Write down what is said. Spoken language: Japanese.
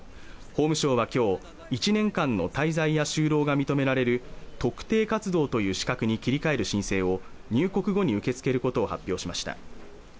法務省は今日１年間の滞在や就労が認められる特定活動という資格に切り替える申請を入国後に受け付けることを発表しました